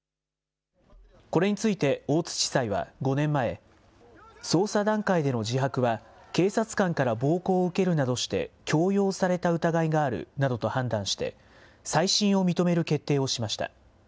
これについて大津地裁は５年前、捜査段階での自白は警察官から暴行を受けるなどして強要された疑いがあるなどと判断して、再審を認める決定をしました。